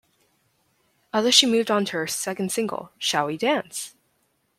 Although she moved on to her second single Shall We Dance?